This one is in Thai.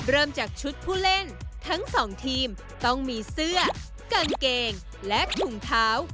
เริ่มจากชุดผู้เล่นทั้งสองทีมต้องมีเสื้อกางเกงและถุงเท้า